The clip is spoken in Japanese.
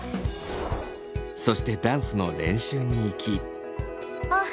そしてダンスの練習に行き。